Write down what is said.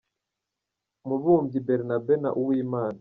Mubumbyi Bernabe na Uwimana